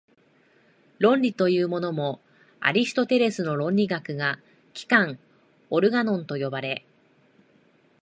論理というものも、アリストテレスの論理学が「機関」（オルガノン）と呼ばれ、